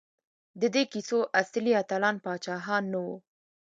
د دې کیسو اصلي اتلان پاچاهان نه وو.